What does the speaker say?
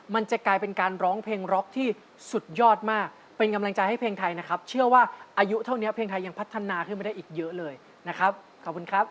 มันจะกลายเป็นการร้องเพลงร็อกที่สุดยอดมากเป็นกำลังใจให้เพลงไทยนะครับเชื่อว่าอายุเท่านี้เพลงไทยยังพัฒนาขึ้นมาได้อีกเยอะเลยนะครับขอบคุณครับ